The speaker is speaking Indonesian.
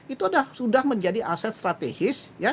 itu sudah menjadi aset strategis